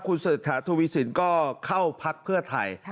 คุณเศรษฐาทวีสินก็เข้าพักเพื่อไทย